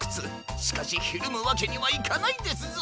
しかしひるむわけにはいかないですぞ。